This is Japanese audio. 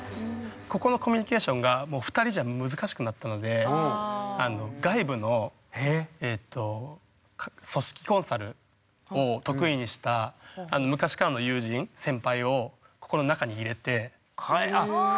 ここのコミュニケーションがもう２人じゃ難しくなったのでえっ？を得意にした昔からの友人先輩をここの中に入れて。